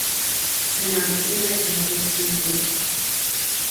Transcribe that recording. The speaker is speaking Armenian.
Բնադրում է գաղութներով։